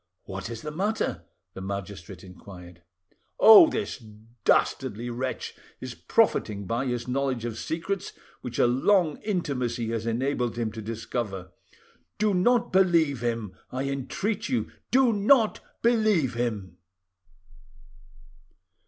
"What is the matter?" the magistrate inquired. "Oh! this dastardly wretch is profiting by his knowledge of secrets which a long intimacy has enabled him to discover. Do not believe him, I entreat you, do not believe him!"